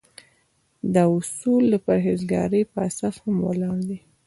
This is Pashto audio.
دا اصول د پرهیزګارۍ په اساس هم ولاړ دي.